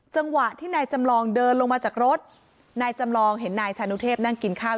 จังหวะที่นายจำลองเดินลงมาจากรถนายจำลองเห็นนายชานุเทพนั่งกินข้าว